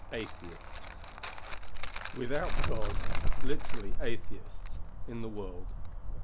ATHEIST "... without God [literally, atheists] in the world."